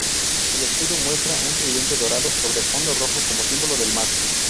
El escudo muestra un tridente dorado sobre fondo rojo como símbolo del mar.